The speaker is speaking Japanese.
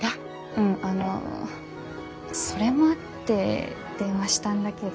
うんあのそれもあって電話したんだけど。